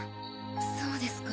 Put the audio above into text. そうですか。